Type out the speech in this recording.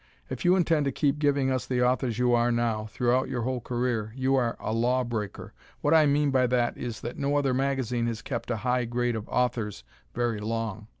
If you intend to keep giving us the authors you are now, throughout your whole career, you are a law breaker. What I mean by that is that no other magazine has kept a high grade of authors very long.